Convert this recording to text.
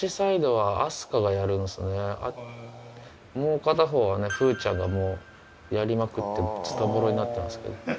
もう片方はね風ちゃんがやりまくってズタボロになってますけど。